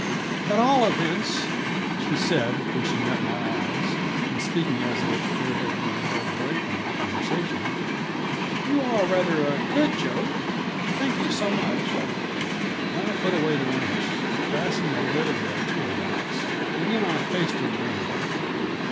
"At all events," she said when she met my eyes, and speaking as if there had been no break in our conversation, "you are rather a good joke. Thank you so much." I put away the wrench, fastened the lid of the tool box, and then I faced her grimly.